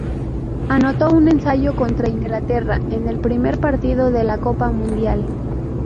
Anotó un ensayo contra Inglaterra en el primer partido de la Copa Mundial.